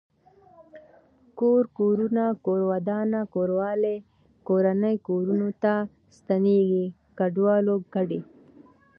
کور کورونه کور ودانه کوروالی کورنۍ کورنو ته ستنيږي کډوالو کډي